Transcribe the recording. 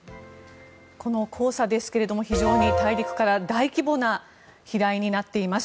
この黄砂ですが非常に大陸から大規模な飛来になっています。